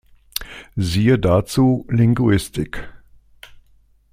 Siehe dazu Linguistik.